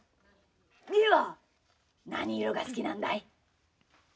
みーは、何色が好きなんだい？